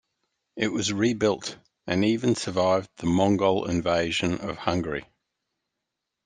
It was rebuilt, and even survived the Mongol invasion of Hungary.